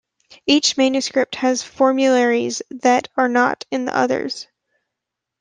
Each manuscript has formularies that are not in the others.